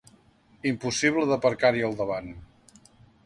Impossible d'aparcar-hi al davant.